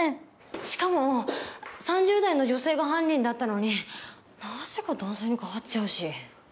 しかも３０代の女性が犯人だったのになぜか男性に代わっちゃうし。